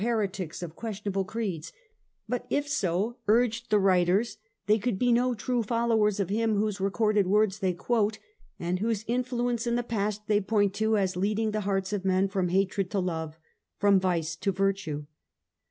heretics of questionable creeds — but if so, urged the writers, they could be no true followers of Him whose Their line of recorded words they quote, and whose influ argument g^^ce in the past they point to as leading the hearts of men from hatred to love, from vice to virtue.